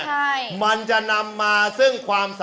อย่าจับแค่ไป